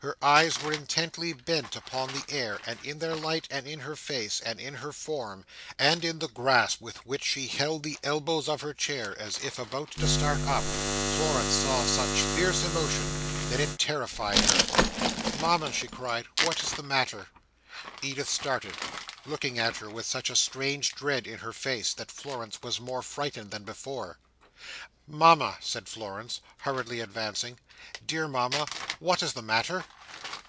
Her eyes were intently bent upon the air; and in their light, and in her face, and in her form, and in the grasp with which she held the elbows of her chair as if about to start up, Florence saw such fierce emotion that it terrified her. "Mama!" she cried, "what is the matter?" Edith started; looking at her with such a strange dread in her face, that Florence was more frightened than before. "Mama!" said Florence, hurriedly advancing. "Dear Mama! what is the matter?"